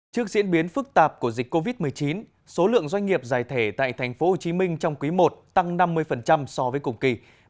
trước diễn biến phức tạp của dịch covid một mươi chín số lượng doanh nghiệp giải thể tại tp hcm trong quý i tăng năm mươi so với cùng kỳ